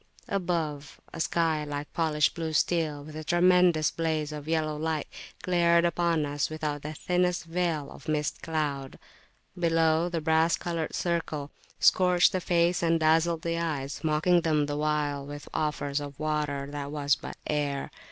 Above, a sky like polished blue steel, with a tremendous blaze of yellow light, glared upon us without the thinnest veil of mist cloud. Below, the brass coloured circle scorched the face and dazzled the eyes, mocking them the while with offers of water that was but air.